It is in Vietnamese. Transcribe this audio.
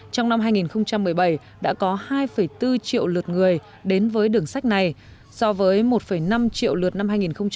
trong năm hai nghìn một mươi bảy đã có hai bốn triệu lượt người đến với đường sách này so với một năm triệu lượt năm hai nghìn một mươi bảy